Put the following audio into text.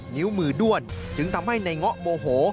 นิ้วมือด้วนจึงทำให้ในเงาะโมโห